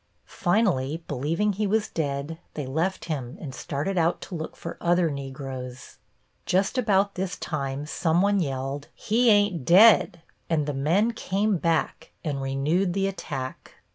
Finally, believing he was dead they left him and started out to look for other Negroes. Just about this time some one yelled, "He ain't dead," and the men came back and renewed the attack.